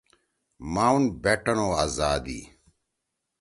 ماؤنٹ بیٹن او آذادی